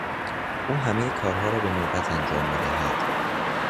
او همهی کارها را به نوبت انجام میدهد.